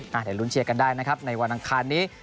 เดี๋ยวลุ้นเชียร์กันได้นะครับในวันอังคารนี้